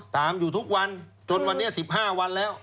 ตามอยู่ทุกวันจนวันนี้๑๕วันแล้ว